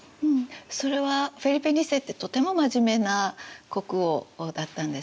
それはフェリペ２世ってとても真面目な国王だったんですね。